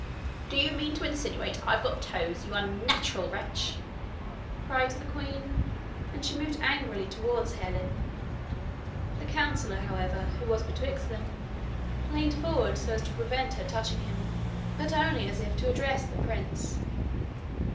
'Do you mean to insinuate I've got toes, you unnatural wretch?' cried the queen; and she moved angrily towards Harelip. The councillor, however, who was betwixt them, leaned forward so as to prevent her touching him, but only as if to address the prince.